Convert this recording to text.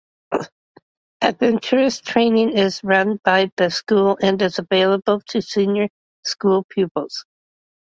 Adventurous Training is run by the school and is available to senior school pupils.